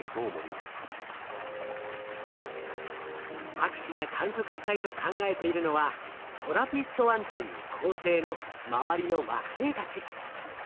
博士が観測したいと考えているのはトラピスト１という恒星の周りの惑星たち。